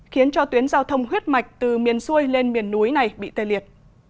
khiến cho tuyến giao thông huyết mạch từ miền xuôi lên miền núi này bị tê liệt